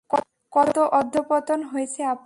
কত অধঃপতন হয়েছে আপনার।